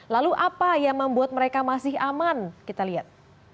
lalu apa yang membuat mereka masih aman kita lihat